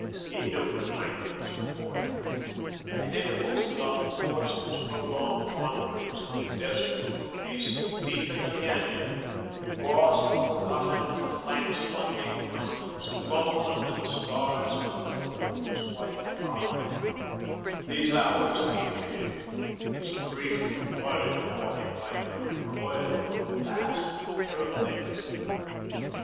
He knew the night that was before him. At intervals throughout the course of his prolonged wanderings, in the desert, on the mesa, deep in the canon, lost and forgotten on the flanks of unnamed mountains, alone under the stars and under the moon's white eye, these hours came to him, his grief recoiling upon him like the recoil of a vast and terrible engine.